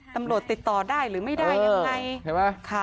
ตำรวจติดต่อได้หรือไม่ได้ยังไง